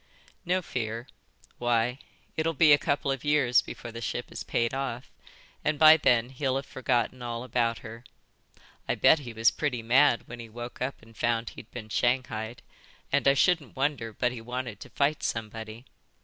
"No fear. Why, it'll be a couple of years before the ship is paid off, and by then he'll have forgotten all about her. I bet he was pretty mad when he woke up and found he'd been shanghaied, and I shouldn't wonder but he wanted to fight somebody.